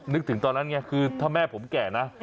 นึกถึงตอนนั้นไงคือถ้าแม่ผมแก่นะ